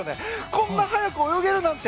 こんな速く泳げるなんて。